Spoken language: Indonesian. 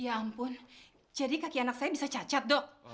ya ampun jadi kaki anak saya bisa cacat dok